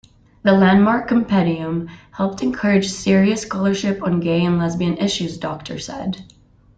The landmark compendium helped encourage serious scholarship on gay and lesbian issues, Docter said.